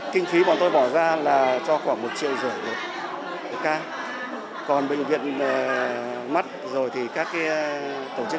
kinh phí bọn tôi bỏ ra là cho khoảng một triệu rưỡi một ca còn bệnh viện mắt rồi thì các tổ chức